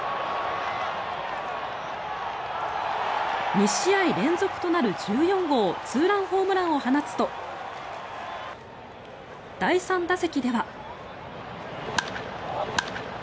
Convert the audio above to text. ２試合連続となる１４号ツーランホームランを放つと第３打席では。